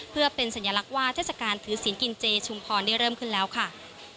เพื่อเป็นสัญลักษณ์ว่าเทศกาลถือศีลกินเจชุมพรได้เริ่มขึ้นแล้วค่ะ